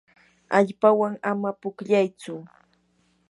allpawan ama pukllaychu.